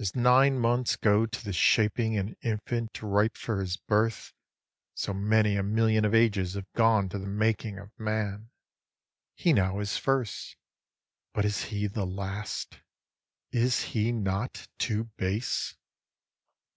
As nine months go to the shaping an infant ripe for his birth, So many a million of ages have gone to the making of man: He now is first, but is he the last? is he not too base?